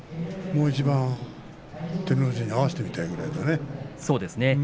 もう一度、照ノ富士に合わせたいぐらいだね。